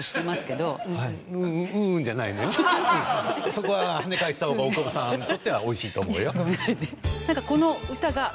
そこは跳ね返した方が大久保さんにとってはおいしいと思うよ。